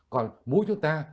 còn bú chúng ta